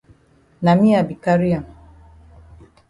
Na me I be carry am.